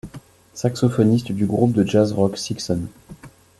Saxophoniste du groupe de jazz-rock Sixun.